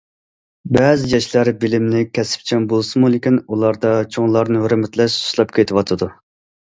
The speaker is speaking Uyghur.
بەزى ياشلار بىلىملىك، كەسىپچان بولسىمۇ، لېكىن ئۇلاردا چوڭلارنى ھۆرمەتلەش سۇسلاپ كېتىۋاتىدۇ.